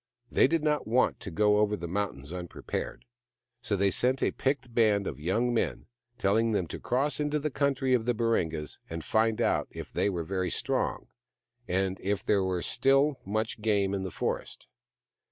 They did not want to go over the mountains unprepared. So they sent a picked band of young men, telling them to cross into the land of the Baringas and find out if they were very strong, and if there were still much THE MAIDEN WHO FOUND THE MOON 135 game in the forest.